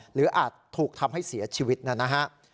อาจถูกทำให้เสียชีวิตนะฮะ